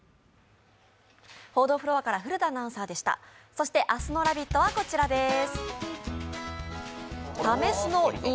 そして明日の「ラヴィット！」はこちらです。